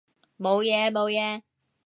冇嘢冇嘢